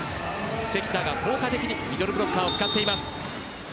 関田が効果的にミドルブロッカーを使っています。